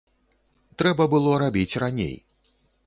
Трэба было рабіць раней.